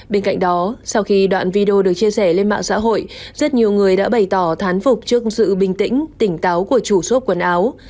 bên cạnh đó sau khi đoạn video được chia sẻ lên mạng xã hội rất nhiều người đã bày tỏ thán phục trước sự bình tĩnh tỉnh táo của chủ số quần áo